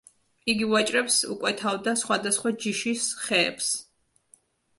იგი ვაჭრებს უკვეთავდა სხვადასხვა ჯიშის ხეებს.